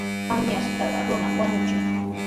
Añastaqa runami wañuchin.